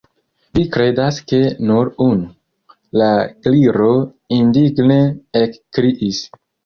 "Vi kredas ke nur unu?" la Gliro indigne ekkriis.